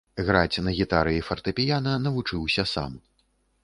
Граць на гітары і фартэпіяна навучыўся сам.